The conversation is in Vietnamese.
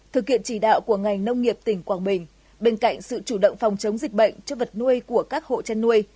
thực hiện chỉ đạo của ngành nông nghiệp tỉnh quảng bình bên cạnh sự chủ động phòng chống dịch bệnh cho vật nuôi của các hộ chăn nuôi